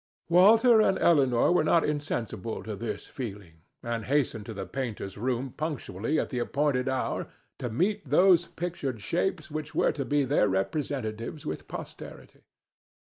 Walter and Elinor were not insensible to this feeling, and hastened to the painter's room punctually at the appointed hour to meet those pictured shapes which were to be their representatives with posterity.